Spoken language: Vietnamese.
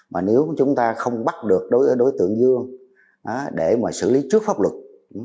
mà nếu chúng ta không bắt được đối tượng dương để mà xử lý trước pháp luật